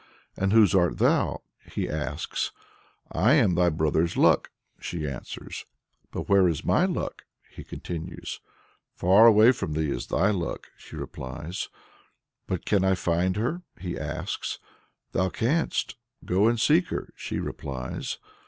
"And whose art thou?" he asks. "I am thy brother's Luck," she answers. "But where is my Luck?" he continues "Far away from thee is thy Luck," she replies. "But can I find her?" he asks. "Thou canst; go and seek her," she replies.